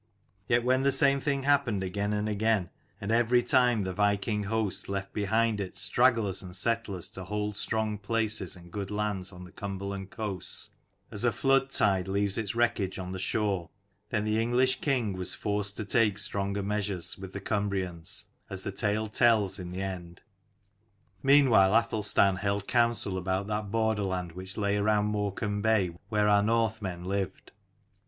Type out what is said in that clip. Yet when the same thing happened again and again and every time the viking host left behind it stragglers and settlers to hold strong places and good lands on the Cumberland coasts, as a flood tide leaves its wreckage on the shore, then the English king was forced to take stronger measures with the Cumbrians, as the tale tells in the end. Meanwhile Athelstan held counsel about that borderland which lay around Morecambe Bay, where our Northmen lived.